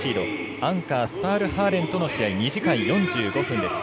アンカースパールハーレンとの戦い２時間４５分でした。